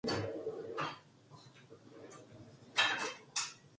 그럴수록 두 사람은 털끝만치도 이상한 눈치를 보이지 않았다.